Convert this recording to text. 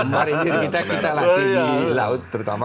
marinir kita kita latih di laut terutama